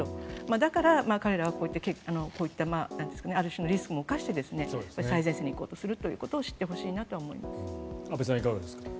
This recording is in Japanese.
だから、彼らはこういったある種のリスクも冒して最前線に行こうとするってことを安部さん、いかがですか？